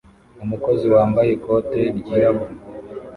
umukozi wambaye ikote ryirabura